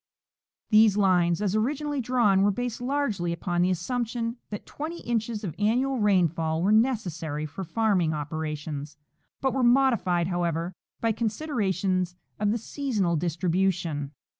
These lines, as originall}^ drawn, were based largely upon the assumption that twenty inches of annual rainfall were necessary for farming opera tions, but were modified, however, by considerations of the sea sonal distribution.